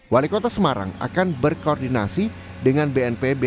wali kota semarang akan berkoordinasi dengan bnpb